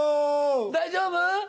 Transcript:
大丈夫？